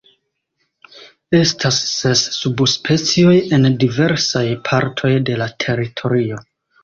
Estas ses subspecioj en diversaj partoj de la teritorio.